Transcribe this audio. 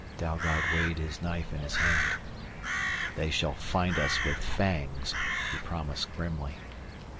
Dalgard weighed his knife in his hand. "They shall find us with fangs," he promised grimly.